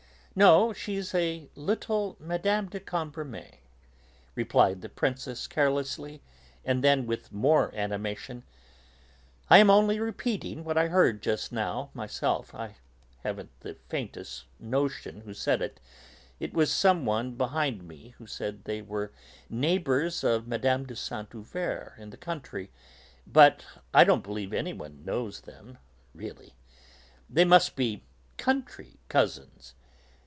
"No, she's a little Mme. de Cambremer," replied the Princess carelessly, and then, with more animation: "I am only repeating what I heard just now, myself; I haven't the faintest notion who said it, it was some one behind me who said that they were neighbours of Mme. de Saint Euverte in the country, but I don't believe anyone knows them, really. They must be 'country cousins'!